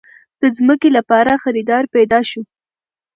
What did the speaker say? د ځمکې لپاره خريدار پېدا شو.